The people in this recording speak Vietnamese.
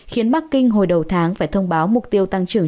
khiến bắc kinh hồi đầu tháng phải thông báo mục tiêu tăng trưởng